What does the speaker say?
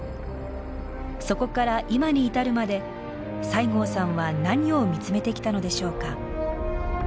そこから今に至るまで西郷さんは何を見つめてきたのでしょうか？